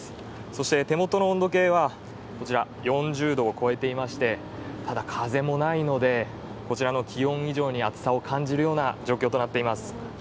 そして、手元の温度計は４０度を超えていましてただ風もないので、こちらの気温以上に暑さを感じる状況となっています。